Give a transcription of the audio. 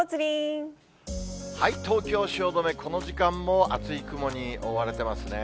東京・汐留、この時間も厚い雲に覆われてますね。